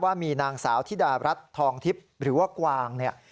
ว่ามีนางสาวธิดารัฐทองทิพย์หรือว่ากวางเนี่ย